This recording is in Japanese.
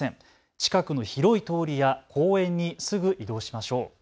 近くの広い通りや公園にすぐ移動しましょう。